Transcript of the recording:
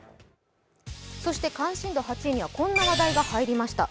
関心度８位にはこんな話題が入りました。